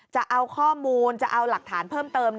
จะเอาข้อมูลจะเอาหลักฐานเพิ่มเติม